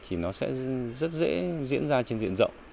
thì nó sẽ rất dễ diễn ra trên diện rộng